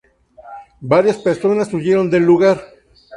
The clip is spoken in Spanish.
Varias personas huyeron del lugar.